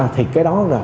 thì cái đó là